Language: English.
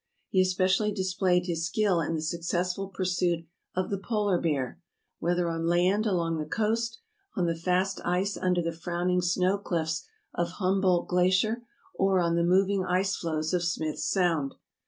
He especially displayed his skill in the successful pursuit of the polar bear, whether on land along the coast, on the fast ice under the frov/ning snow clifFs of Humboldt Glacier, or on the moving ice floes of Smith Sound.